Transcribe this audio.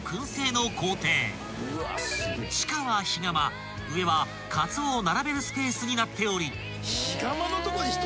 ［地下は火釜上はかつおを並べるスペースになっており］